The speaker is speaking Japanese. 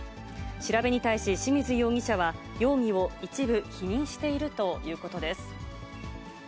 調べに対し、清水容疑者は容疑を一部否認しているということです。